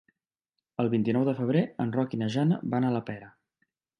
El vint-i-nou de febrer en Roc i na Jana van a la Pera.